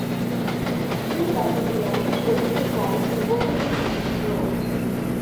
This type of reactor shows great promise in both of these roles.